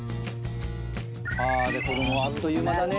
子供あっという間だね。